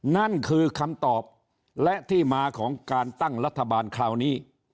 นั่นคือคำตอบและที่มาของการตั้งรัฐบาลคราวนี้